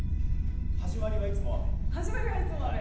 「はじまりはいつも雨」！